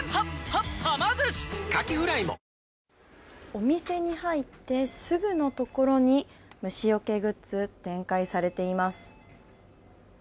お店に入ってすぐのところに虫よけグッズ展開されています。